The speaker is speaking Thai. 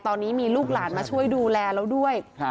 ตอนนี้มีลูกหลานมาช่วยดูแลเราด้วย